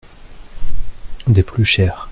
Des plus chers.